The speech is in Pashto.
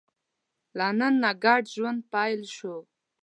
له نن نه ګډ ژوند پیل شو.